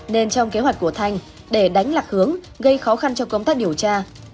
nên trong kế hoạch của thanh để đánh lạc hướng gây khó khăn cho công tác điều tra